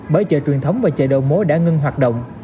bởi chợ truyền thống và chợ đầu mối đã ngưng hoạt động